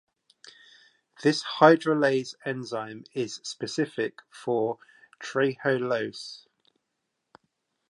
This hydrolase enzyme is specific for trehalose.